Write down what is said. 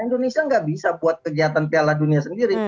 indonesia nggak bisa buat kegiatan piala dunia sendiri